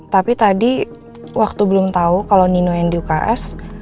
tapi tadi waktu belum tahu kalau nino yang di uks